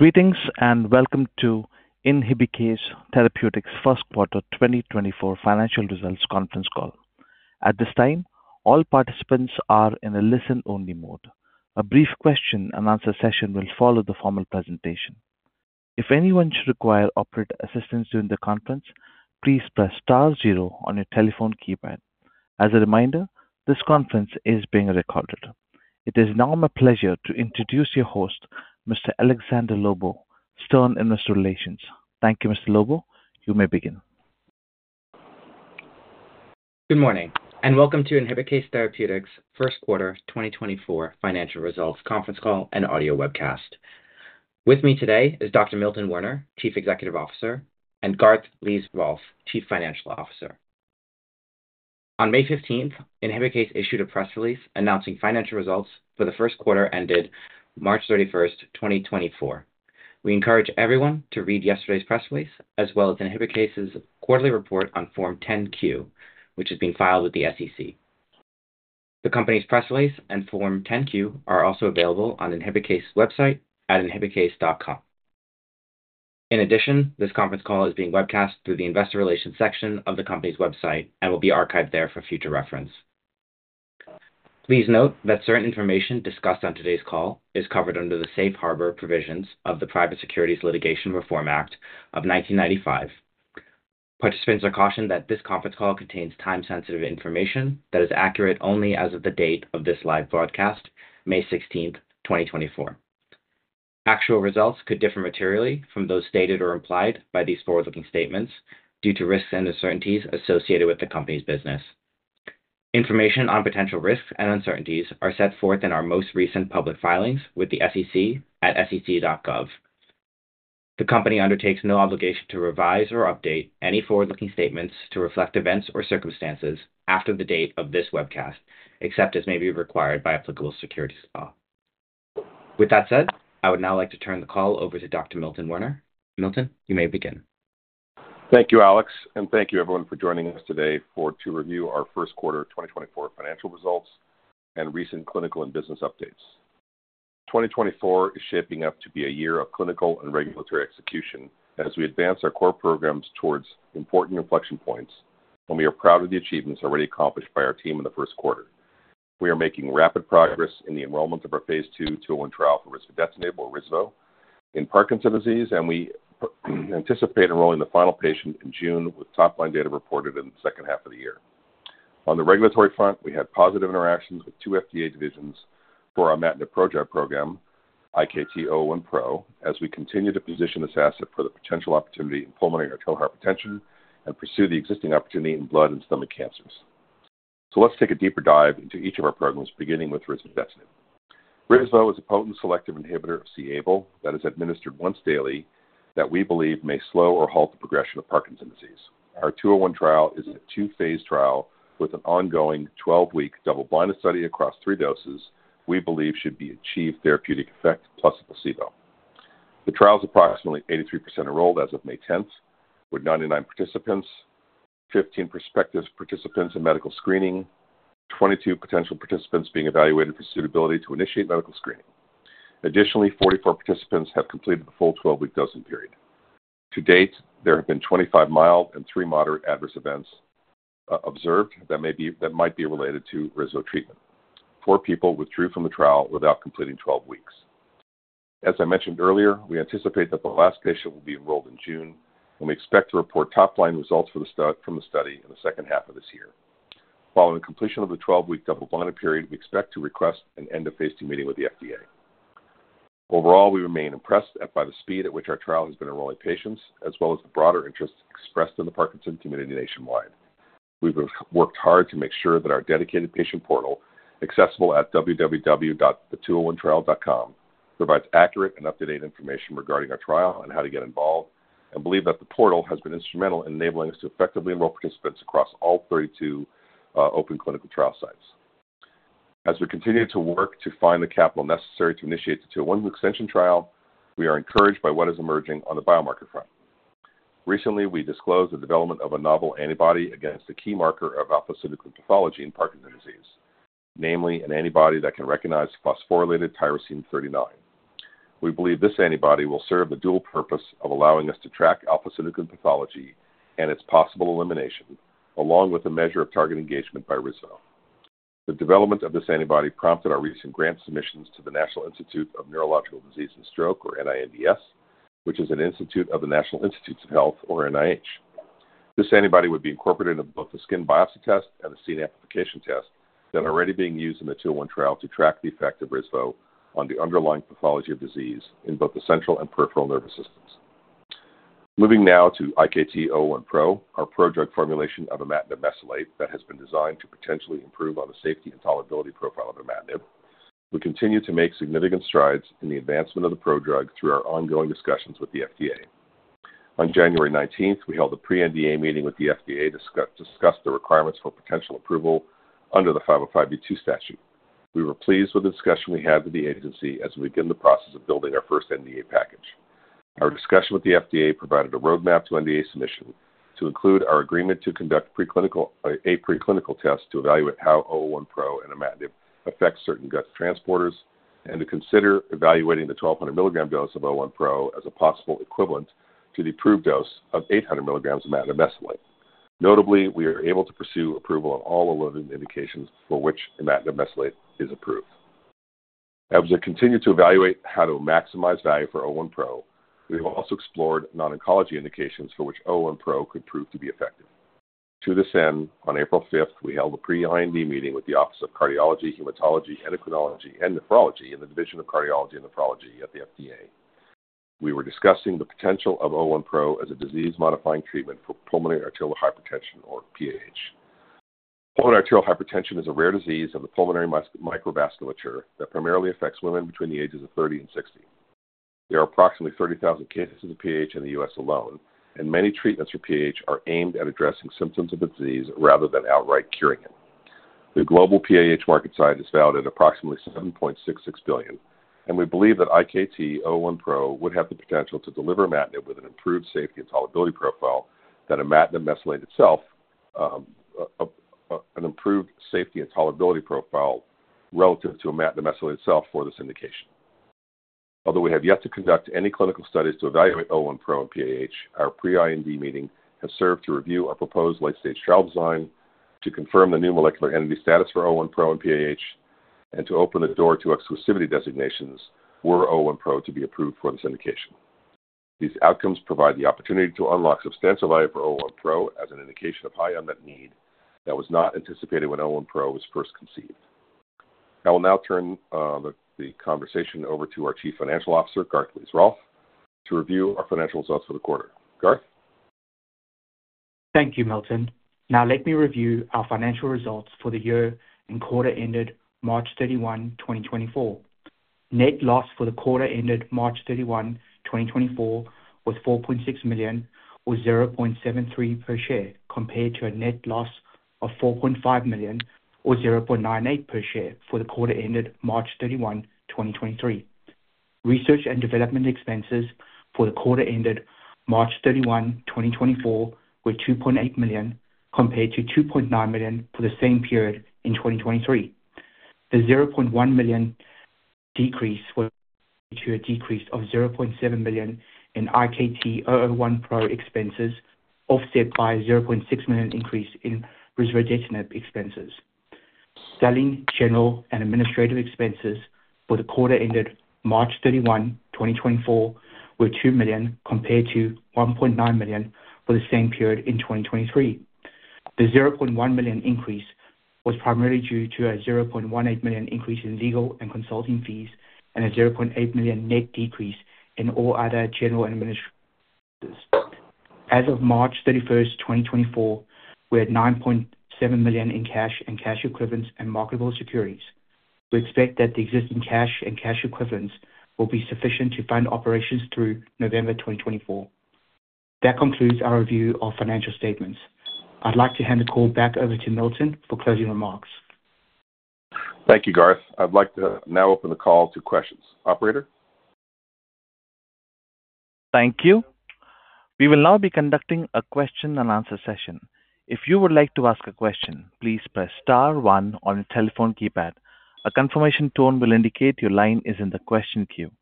Greetings, and welcome to Inhibikase Therapeutics' first quarter 2024 financial results conference call. At this time, all participants are in a listen-only mode. A brief question-and-answer session will follow the formal presentation. If anyone should require operator assistance during the conference, please press star zero on your telephone keypad. As a reminder, this conference is being recorded. It is now my pleasure to introduce your host, Mr. Alexander Lobo, Stern Investor Relations. Thank you, Mr. Lobo. You may begin. Good morning, and welcome to Inhibikase Therapeutics' first quarter 2024 financial results conference call and audio webcast. With me today is Dr. Milton Werner, Chief Executive Officer, and Garth Lees-Rolfe, Chief Financial Officer. On May fifteenth, Inhibikase issued a press release announcing financial results for the first quarter ended March thirty-first, 2024. We encourage everyone to read yesterday's press release, as well as Inhibikase's quarterly report on Form 10-Q, which is being filed with the SEC. The company's press release and Form 10-Q are also available on Inhibikase website at inhibikase.com. In addition, this conference call is being webcast through the investor relations section of the company's website and will be archived there for future reference. Please note that certain information discussed on today's call is covered under the safe harbor provisions of the Private Securities Litigation Reform Act of 1995. Participants are cautioned that this conference call contains time-sensitive information that is accurate only as of the date of this live broadcast, May 16, 2024. Actual results could differ materially from those stated or implied by these forward-looking statements due to risks and uncertainties associated with the company's business. Information on potential risks and uncertainties are set forth in our most recent public filings with the SEC at sec.gov. The company undertakes no obligation to revise or update any forward-looking statements to reflect events or circumstances after the date of this webcast, except as may be required by applicable securities law. With that said, I would now like to turn the call over to Dr. Milton Werner. Milton, you may begin. Thank you, Alex, and thank you everyone for joining us today to review our first quarter 2024 financial results and recent clinical and business updates. 2024 is shaping up to be a year of clinical and regulatory execution as we advance our core programs towards important inflection points, and we are proud of the achievements already accomplished by our team in the first quarter. We are making rapid progress in the enrollment of our phase 201 trial for risvodetinib or risdo in Parkinson's disease, and we anticipate enrolling the final patient in June, with top-line data reported in the second half of the year. On the regulatory front, we had positive interactions with two FDA divisions for our imatinib prodrug program, IkT-001Pro, as we continue to position this asset for the potential opportunity in pulmonary arterial hypertension and pursue the existing opportunity in blood and stomach cancers. So let's take a deeper dive into each of our programs, beginning with risvodetinib. Risdo is a potent selective inhibitor of c-Abl that is administered once daily that we believe may slow or halt the progression of Parkinson's disease. Our 201 trial is a two-phase trial with an ongoing 12-week double-blind study across three doses we believe should be achieved therapeutic effect plus a placebo. The trial is approximately 83% enrolled as of May tenth, with 99 participants, 15 prospective participants in medical screening, 22 potential participants being evaluated for suitability to initiate medical screening. Additionally, 44 participants have completed the full 12-week dosing period. To date, there have been 25 mild and 3 moderate adverse events observed that might be related to risvodetinib treatment. 4 people withdrew from the trial without completing 12 weeks. As I mentioned earlier, we anticipate that the last patient will be enrolled in June, and we expect to report top-line results from the study in the second half of this year. Following completion of the 12-week double-blinded period, we expect to request an end-of-phase 2 meeting with the FDA. Overall, we remain impressed by the speed at which our trial has been enrolling patients, as well as the broader interest expressed in the Parkinson's community nationwide. We've worked hard to make sure that our dedicated patient portal, accessible at www.thetwoohonetrial.com, provides accurate and up-to-date information regarding our trial on how to get involved, and believe that the portal has been instrumental in enabling us to effectively enroll participants across all 32 open clinical trial sites. As we continue to work to find the capital necessary to initiate the 201 extension trial, we are encouraged by what is emerging on the biomarker front. Recently, we disclosed the development of a novel antibody against a key marker of alpha-synuclein pathology in Parkinson's disease, namely an antibody that can recognize phosphorylated tyrosine 39. We believe this antibody will serve the dual purpose of allowing us to track alpha-synuclein pathology and its possible elimination, along with the measure of target engagement by risvodetinib. The development of this antibody prompted our recent grant submissions to the National Institute of Neurological Disorders and Stroke, or NINDS, which is an institute of the National Institutes of Health or NIH. This antibody would be incorporated in both the skin biopsy test and the Seed Amplification Test that are already being used in the 201 trial to track the effect of risvodetinib on the underlying pathology of disease in both the central and peripheral nervous systems. Moving now to IKT-001Pro, our prodrug formulation of imatinib mesylate that has been designed to potentially improve on the safety and tolerability profile of imatinib. We continue to make significant strides in the advancement of the prodrug through our ongoing discussions with the FDA. On January 19, we held a pre-NDA meeting with the FDA to discuss the requirements for potential approval under the 505(b)(2) statute. We were pleased with the discussion we had with the agency as we begin the process of building our first NDA package.... Our discussion with the FDA provided a roadmap to NDA submission to include our agreement to conduct a preclinical test to evaluate how IkT-001Pro and imatinib affects certain gut transporters and to consider evaluating the 1,200 milligram dose of IkT-001Pro as a possible equivalent to the approved dose of 800 milligrams of imatinib mesylate. Notably, we are able to pursue approval on all labeled indications for which imatinib mesylate is approved. As we continue to evaluate how to maximize value for IkT-001Pro, we have also explored non-oncology indications for which IkT-001Pro could prove to be effective. To this end, on April fifth, we held a pre-IND meeting with the Office of Cardiology, Hematology, Endocrinology, and Nephrology in the Division of Cardiology and Nephrology at the FDA. We were discussing the potential of IkT-001Pro as a disease-modifying treatment for pulmonary arterial hypertension or PAH. Pulmonary arterial hypertension is a rare disease of the pulmonary microvasculature that primarily affects women between the ages of 30 and 60. There are approximately 30,000 cases of PAH in the U.S. alone, and many treatments for PAH are aimed at addressing symptoms of the disease rather than outright curing it. The global PAH market size is valued at approximately $7.66 billion, and we believe that IkT-001Pro would have the potential to deliver imatinib with an improved safety and tolerability profile than imatinib mesylate itself, an improved safety and tolerability profile relative to imatinib mesylate itself for this indication. Although we have yet to conduct any clinical studies to evaluate IkT-001Pro and PAH, our pre-IND meeting has served to review our proposed late-stage trial design, to confirm the new molecular entity status for IkT-001Pro and PAH, and to open the door to exclusivity designations for IkT-001Pro to be approved for this indication. These outcomes provide the opportunity to unlock substantial value for IkT-001Pro as an indication of high unmet need that was not anticipated when IkT-001Pro was first conceived. I will now turn the conversation over to our Chief Financial Officer, Garth Lees-Rolfe, to review our financial results for the quarter. Garth? Thank you, Milton. Now let me review our financial results for the year and quarter ended March 31, 2024. Net loss for the quarter ended March 31, 2024, was $4.6 million, or $0.73 per share, compared to a net loss of $4.5 million, or $0.98 per share, for the quarter ended March 31, 2023. Research and development expenses for the quarter ended March 31, 2024, were $2.8 million, compared to $2.9 million for the same period in 2023. The $0.1 million decrease was to a decrease of $0.7 million in IKT-001Pro expenses, offset by a $0.6 million increase in risvodetinib expenses. Selling, general, and administrative expenses for the quarter ended March 31, 2024, were $2 million compared to $1.9 million for the same period in 2023. The $0.1 million increase was primarily due to a $0.18 million increase in legal and consulting fees and a $0.8 million net decrease in all other general and administrative. As of March 31, 2024, we had $9.7 million in cash and cash equivalents and marketable securities. We expect that the existing cash and cash equivalents will be sufficient to fund operations through November 2024. That concludes our review of financial statements. I'd like to hand the call back over to Milton for closing remarks. Thank you, Garth. I'd like to now open the call to questions. Operator? Thank you. We will now be conducting a question and answer session. If you would like to ask a question, please press star one on your telephone keypad. A confirmation tone will indicate your line is in the question queue.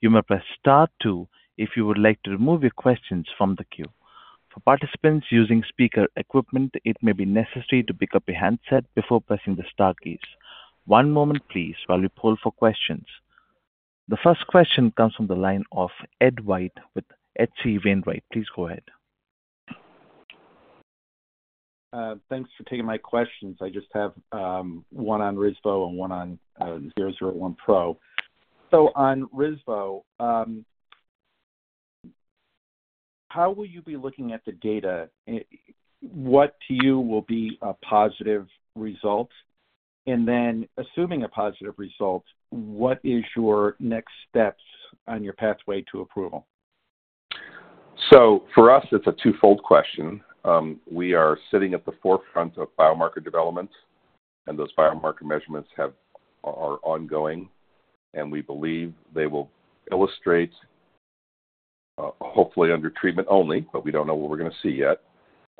You may press star two if you would like to remove your questions from the queue. For participants using speaker equipment, it may be necessary to pick up your handset before pressing the star keys. One moment please while we poll for questions. The first question comes from the line of Ed White with HC Wainwright. Please go ahead. Thanks for taking my questions. I just have one on Risvodetinib and one on IkT-001Pro. So on Risvodetinib, how will you be looking at the data? What to you will be a positive result? And then assuming a positive result, what is your next steps on your pathway to approval? So for us, it's a twofold question. We are sitting at the forefront of biomarker development, and those biomarker measurements are ongoing, and we believe they will illustrate, hopefully under treatment only, but we don't know what we're gonna see yet,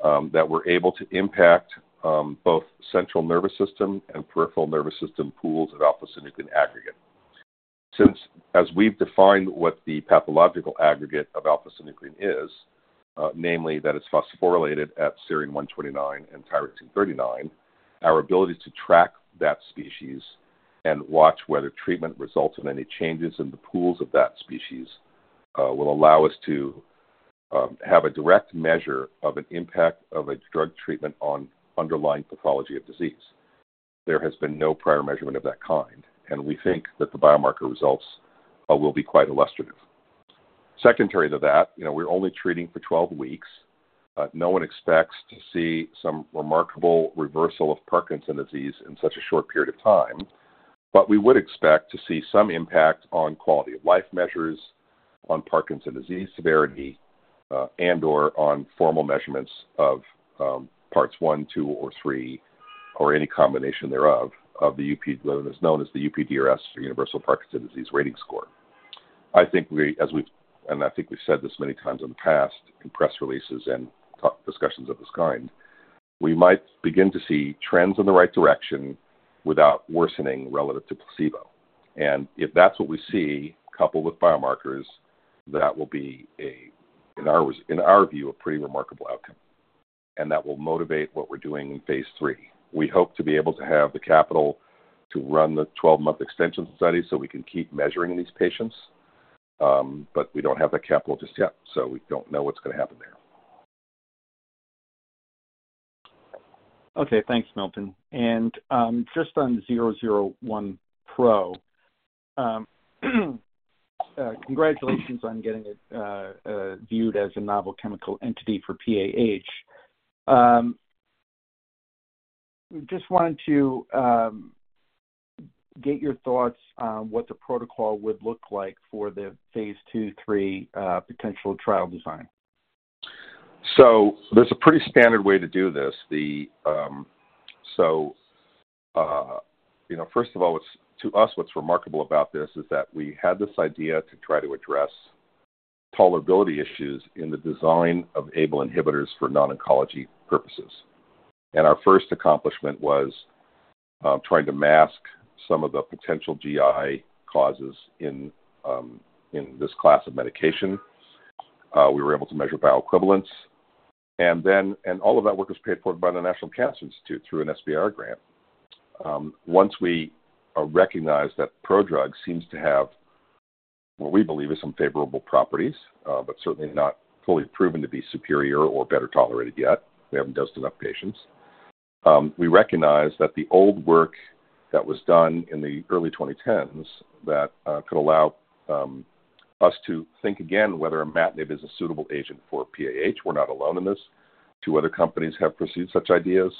that we're able to impact both central nervous system and peripheral nervous system pools of alpha-synuclein aggregate. Since, as we've defined, what the pathological aggregate of alpha-synuclein is, namely, that it's phosphorylated at serine 129 and tyrosine 39. Our ability to track that species and watch whether treatment results in any changes in the pools of that species, will allow us to have a direct measure of an impact of a drug treatment on underlying pathology of disease. There has been no prior measurement of that kind, and we think that the biomarker results will be quite illustrative. Secondary to that, you know, we're only treating for 12 weeks. No one expects to see some remarkable reversal of Parkinson's disease in such a short period of time, but we would expect to see some impact on quality-of-life measures, on Parkinson's disease severity, and/or on formal measurements of parts 1, 2, or 3 or any combination thereof, of the UP, what is known as the UPDRS, or Universal Parkinson's Disease Rating Score. I think we, as we've, and I think we've said this many times in the past, in press releases and talk discussions of this kind, we might begin to see trends in the right direction without worsening relative to placebo. If that's what we see, coupled with biomarkers, that will be a, in our, in our view, a pretty remarkable outcome. That will motivate what we're doing in phase 3. We hope to be able to have the capital to run the 12-month extension study so we can keep measuring these patients. But we don't have the capital just yet, so we don't know what's gonna happen there. Okay, thanks, Milton. Just on IkT-001Pro, congratulations on getting it viewed as a novel chemical entity for PAH. Just wanted to get your thoughts on what the protocol would look like for the phase 2, 3 potential trial design. So there's a pretty standard way to do this. So, you know, first of all, what's, to us, what's remarkable about this is that we had this idea to try to address tolerability issues in the design of Abl inhibitors for non-oncology purposes. And our first accomplishment was trying to mask some of the potential GI causes in this class of medication. We were able to measure bioequivalence. And then all of that work was paid for by the National Cancer Institute through an SBIR grant. Once we recognized that prodrug seems to have what we believe is some favorable properties, but certainly not fully proven to be superior or better tolerated yet, we haven't dosed enough patients. We recognize that the old work that was done in the early 2010s, that could allow us to think again whether imatinib is a suitable agent for PAH. We're not alone in this. Two other companies have pursued such ideas.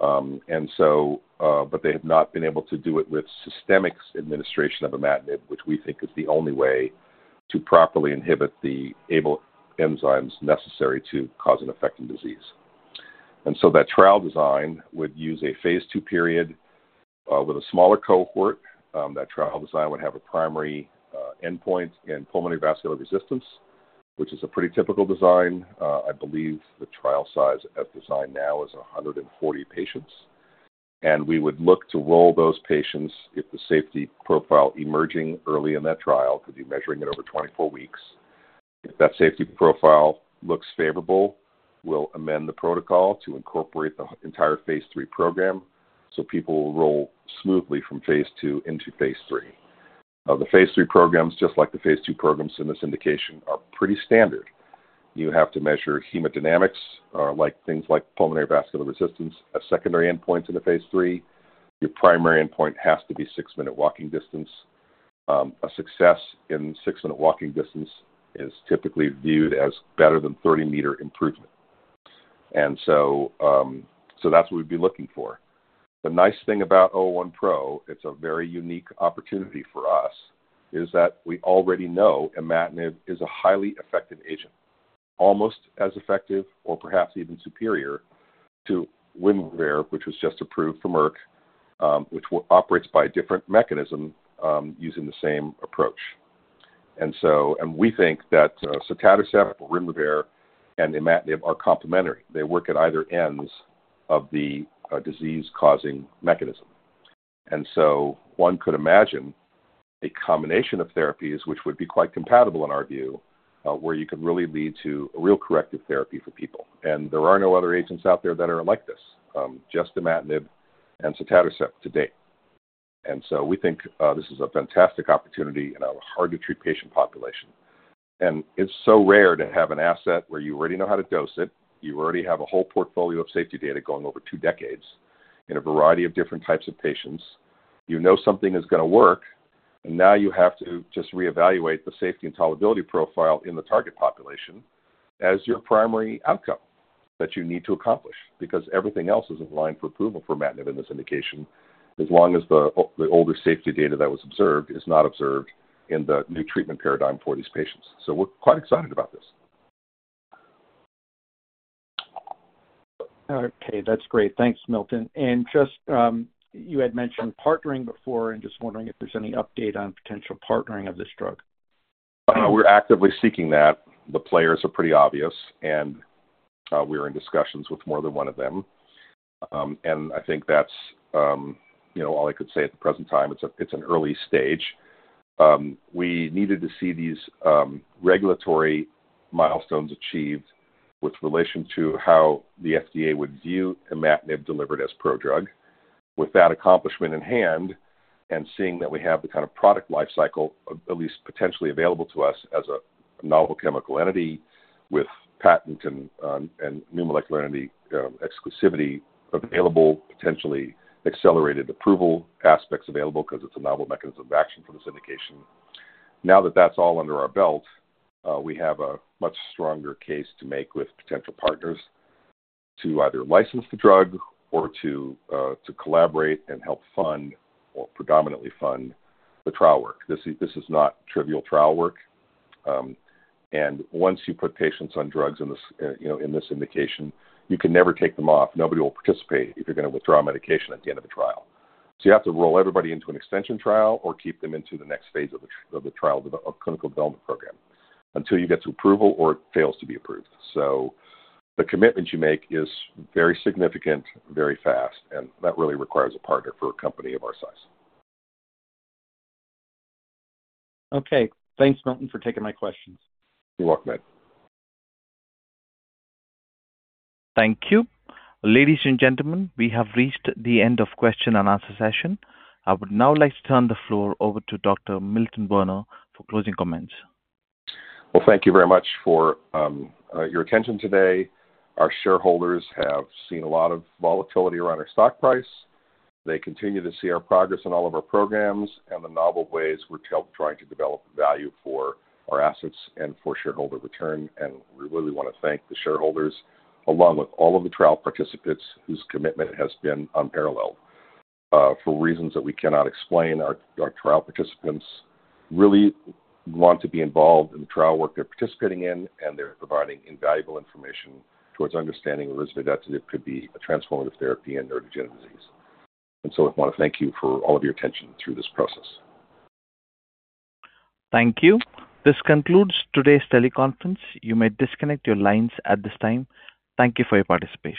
And so, but they have not been able to do it with systemic administration of imatinib, which we think is the only way to properly inhibit the Abl enzymes necessary to cause and affect the disease. And so that trial design would use a phase 2 period with a smaller cohort. That trial design would have a primary endpoint in pulmonary vascular resistance, which is a pretty typical design. I believe the trial size at design now is 140 patients, and we would look to roll those patients if the safety profile emerging early in that trial, because you're measuring it over 24 weeks. If that safety profile looks favorable, we'll amend the protocol to incorporate the entire phase 3 program, so people will roll smoothly from phase 2 into phase 3. The phase 3 programs, just like the phase 2 programs in this indication, are pretty standard. You have to measure hemodynamics, like things like pulmonary vascular resistance, as secondary endpoints in the phase 3. Your primary endpoint has to be six-minute walking distance. A success in six-minute walking distance is typically viewed as better than 30-meter improvement. So that's what we'd be looking for. The nice thing about IKT-001Pro, it's a very unique opportunity for us, is that we already know imatinib is a highly effective agent, almost as effective or perhaps even superior to Winrevair, which was just approved for Merck, which operates by a different mechanism using the same approach. So we think that sotatercept or Winrevair and imatinib are complementary. They work at either ends of the disease-causing mechanism. So one could imagine a combination of therapies which would be quite compatible in our view, where you could really lead to a real corrective therapy for people. There are no other agents out there that are like this, just imatinib and sotatercept to date. So we think this is a fantastic opportunity in a hard-to-treat patient population. And it's so rare to have an asset where you already know how to dose it. You already have a whole portfolio of safety data going over two decades in a variety of different types of patients. You know something is gonna work, and now you have to just reevaluate the safety and tolerability profile in the target population as your primary outcome that you need to accomplish. Because everything else is in line for approval for imatinib in this indication, as long as the older safety data that was observed is not observed in the new treatment paradigm for these patients. So we're quite excited about this. Okay, that's great. Thanks, Milton. And just, you had mentioned partnering before and just wondering if there's any update on potential partnering of this drug? We're actively seeking that. The players are pretty obvious, and, we're in discussions with more than one of them. And I think that's, you know, all I could say at the present time. It's a, it's an early stage. We needed to see these, regulatory milestones achieved with relation to how the FDA would view imatinib delivered as prodrug. With that accomplishment in hand and seeing that we have the kind of product life cycle at least potentially available to us as a novel chemical entity with patent and, and new molecular entity, exclusivity available, potentially accelerated approval aspects available because it's a novel mechanism of action for this indication. Now that that's all under our belt, we have a much stronger case to make with potential partners to either license the drug or to, to collaborate and help fund or predominantly fund the trial work. This, this is not trivial trial work. And once you put patients on drugs in this, you know, in this indication, you can never take them off. Nobody will participate if you're gonna withdraw medication at the end of the trial. So you have to roll everybody into an extension trial or keep them into the next phase of the trial of the clinical development program, until you get to approval or it fails to be approved. So the commitment you make is very significant, very fast, and that really requires a partner for a company of our size. Okay. Thanks, Milton, for taking my questions. You're welcome. Thank you. Ladies and gentlemen, we have reached the end of question and answer session. I would now like to turn the floor over to Dr. Milton Werner for closing comments. Well, thank you very much for your attention today. Our shareholders have seen a lot of volatility around our stock price. They continue to see our progress in all of our programs and the novel ways we're trying to develop value for our assets and for shareholder return. And we really want to thank the shareholders, along with all of the trial participants, whose commitment has been unparalleled. For reasons that we cannot explain, our trial participants really want to be involved in the trial work they're participating in, and they're providing invaluable information towards understanding risvodetinib could be a transformative therapy in neurodegenerative disease. And so I want to thank you for all of your attention through this process. Thank you. This concludes today's teleconference. You may disconnect your lines at this time. Thank you for your participation.